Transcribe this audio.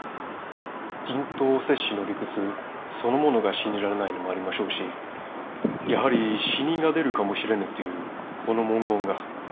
人痘接種の理屈そのものが信じられないのもありましょうしやはり死人が出るかもしれぬというこの文言が。